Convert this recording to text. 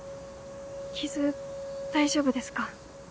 傷大丈夫ですか？